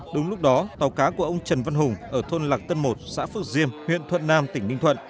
đúng lúc đó tàu cá của ông trần văn hùng ở thôn lạc tân một xã phước diêm huyện thuận nam tỉnh ninh thuận